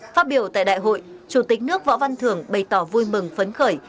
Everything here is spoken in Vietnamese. phát biểu tại đại hội chủ tịch nước võ văn thưởng bày tỏ vui mừng phấn khởi